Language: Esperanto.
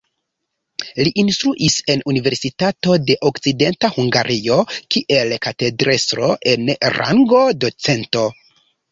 Li instruis en Universitato de Okcidenta Hungario kiel katedrestro en rango docento.